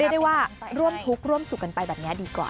ได้ว่าร่วมทุกข์ร่วมสุขกันไปแบบนี้ดีกว่า